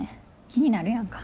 気になるやんか。